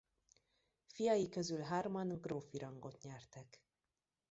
Fiai közül hárman grófi rangot nyertek.